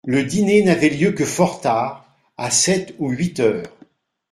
Le dîner n'avait lieu que fort tard, à sept ou huit heures.